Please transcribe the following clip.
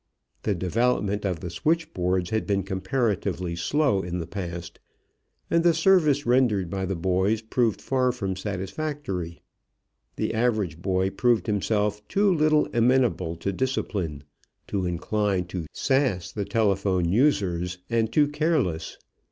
The development of the switchboards had been comparatively slow in the past, and the service rendered by the boys proved far from satisfactory. The average boy proved himself too little amenable to discipline, too inclined to "sass" the telephone users, and too careless.